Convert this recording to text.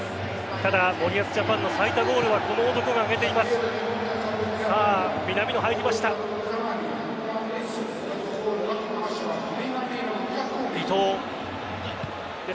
ただ森保ジャパンの最多ゴールはこの男が挙げています。